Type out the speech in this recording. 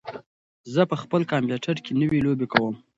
زه په خپل کمپیوټر کې نوې لوبې کوم.